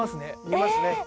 見ますね。